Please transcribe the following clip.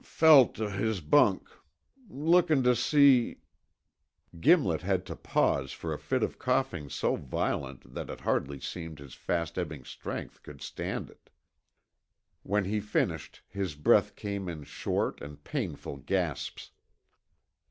"Felt o' his bunk ... lookin' tuh see...." Gimlet had to pause for a fit of coughing so violent that it hardly seemed his fast ebbing strength could stand it. When he finished, his breath came in short and painful gasps.